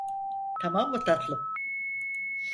Tamam mı tatlım?